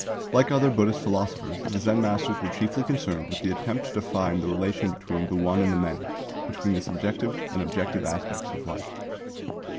Like other Buddhist philosophers the Zen masters were chiefly concerned with the attempt to define the relation between the One and the Many, between the subjective and objective aspects of life.